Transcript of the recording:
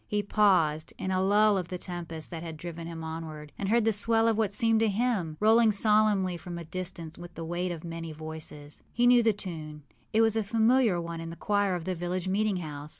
He paused, in a lull of the tempest that had driven him onward, and heard the swell of what seemed a hymn, rolling solemnly from a distance with the weight of many voices. He knew the tune; it was a familiar one in the choir of the village meeting house.